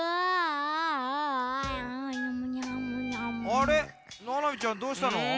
あれななみちゃんどうしたの？